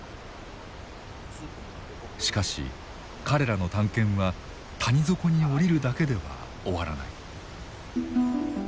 しかし彼らの探検は谷底に下りるだけでは終わらない。